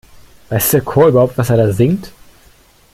Weiß der Chor überhaupt, was er da singt?